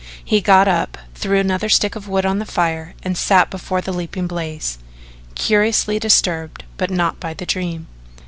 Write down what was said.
He got up, threw another stick of wood on the fire and sat before the leaping blaze, curiously disturbed but not by the dream.